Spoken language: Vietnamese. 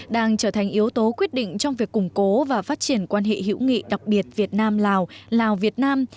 đang trở thành yếu tố quyết định trong việc củng cố và phát triển quan hệ hữu nghị đặc biệt việt nam lào lào việt nam